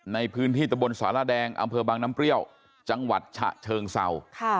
ในพื้นที่ตะบนสารแดงอำเภอบางน้ำเปรี้ยวจังหวัดฉะเชิงเศร้า